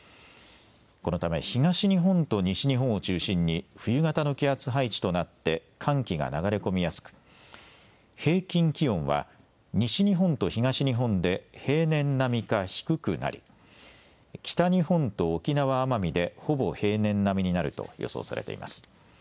このため東日本と西日本を中心に冬型の気圧配置となって寒気が流れ込みやすく平均気温は西日本と東日本で平年並みか低くなり、北日本と沖縄・奄美でほぼ平年並みになると予想されています。